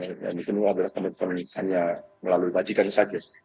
yang dikenal adalah komitmen komitmen hanya melalui bajikan saja